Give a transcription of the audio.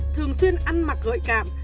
thường xuyên ăn mặc gợi cảm